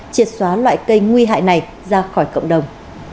triệt xóa loại cây nguy hại này ra khỏi cộng đồng